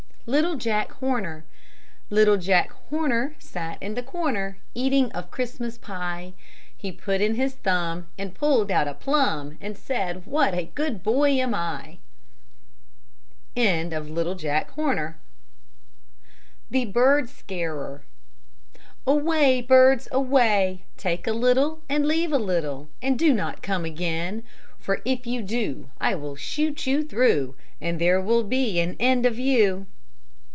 LITTLE JACK HORNER Little Jack Horner Sat in the corner, Eating of Christmas pie: He put in his thumb, And pulled out a plum, And said, "What a good boy am I!" THE BIRD SCARER Away, birds, away! Take a little and leave a little, And do not come again; For if you do, I will shoot you through, And there will be an end of you.